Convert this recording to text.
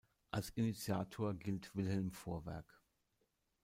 Als Initiator gilt Wilhelm Vorwerk.